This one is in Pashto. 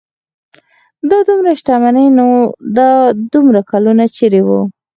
دا دومره شتمني نو دا دومره کلونه چېرې وه.